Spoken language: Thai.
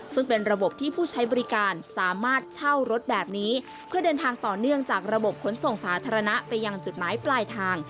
ซึ่งเป็นระบบที่ผู้ใช้บริการสามารถเช่ารถแบบนี้เพื่อเดินทางต่อเนื่องจากระบบขนส่งสาธารณะไปยังจุดหมายปลายทาง